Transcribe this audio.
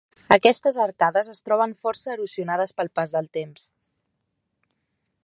Aquestes arcades es troben força erosionades pel pas del temps.